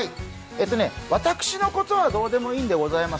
私のことはどうでもいいんでございます。